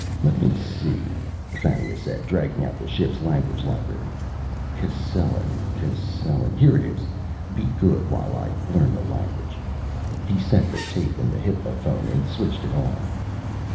"Let me see," Fannia said, dragging out the ship's language library, "Cascellan, Cascellan ... Here it is. Be good while I learn the language." He set the tape in the hypnophone and switched it on.